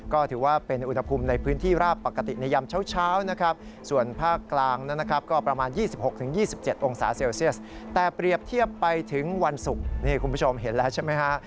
คุณผู้ชมเห็นแล้วใช่ไหมฮะ